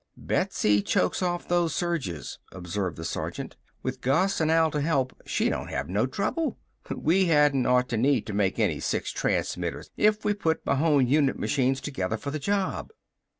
"Betsy chokes off those surges," observed the sergeant. "With Gus and Al to help, she don't have no trouble. We hadn't ought to need to make any six transmitters if we put Mahon unit machines together for the job!"